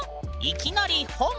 いきなり本。